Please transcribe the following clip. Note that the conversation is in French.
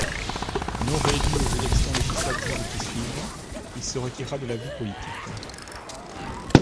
Non réélu aux élections législatives qui suivent, il se retira de la vie politique.